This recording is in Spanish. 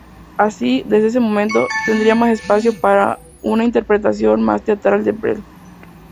Así, desde ese momento tendría más espacio para una interpretación más teatral de Brel.